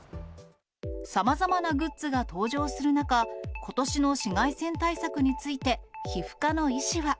さまざまなグッズが登場する中、ことしの紫外線対策について、皮膚科の医師は。